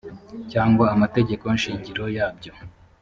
cyangwa amategeko shingiro yabyo